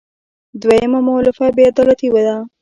درېیمه مولفه بې عدالتي ده.